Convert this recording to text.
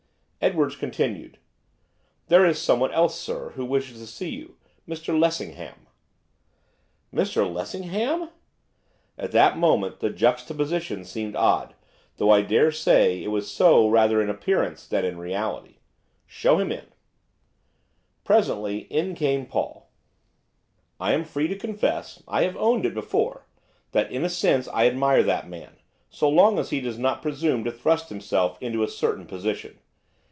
Edwards continued. 'There is someone else, sir, who wishes to see you, Mr Lessingham.' 'Mr Lessingham!' At that moment the juxtaposition seemed odd, though I daresay it was so rather in appearance than in reality. 'Show him in.' Presently in came Paul. I am free to confess, I have owned it before! that, in a sense, I admire that man, so long as he does not presume to thrust himself into a certain position.